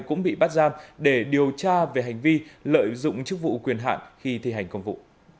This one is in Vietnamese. cũng bị bắt giam để điều tra về hành vi lợi dụng chức vụ quyền hạn khi thi hành công vụ